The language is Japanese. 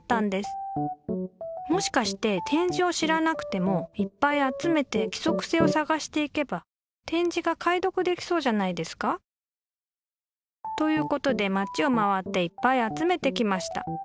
もしかして点字を知らなくてもいっぱい集めて規則性を探していけば点字が解読できそうじゃないですか？ということで街を回っていっぱい集めてきました。